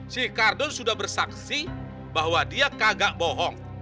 si kardo sudah bersaksi bahwa dia kagak bohong